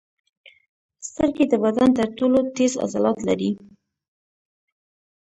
سترګې د بدن تر ټولو تېز عضلات لري.